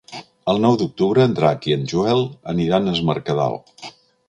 El nou d'octubre en Drac i en Joel aniran a Es Mercadal.